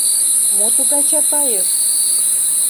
Мо тугай Чапаев?